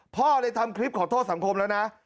พ่อเลยทำคลิปขอโทษสังคมแล้วนะ